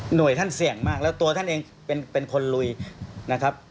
ท่านเสี่ยงมากแล้วตัวท่านเองเป็นคนลุยนะครับ